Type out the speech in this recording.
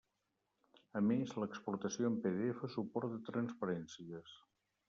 A més, l'exportació en PDF suporta transparències.